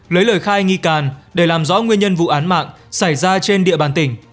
lấy lời khai nghi can để làm rõ nguyên nhân vụ án mạng xảy ra trên địa bàn tỉnh